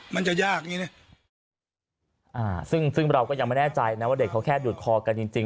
มันจะยากอย่างนี้นะอ่าซึ่งซึ่งเราก็ยังไม่แน่ใจนะว่าเด็กเขาแค่ดูดคอกันจริงจริง